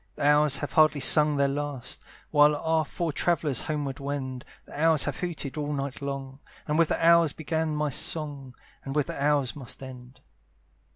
The owls have hardly sung their last, While our four travellers homeward wend; The owls have hooted all night long, And with the owls began my song, And with the owls must end.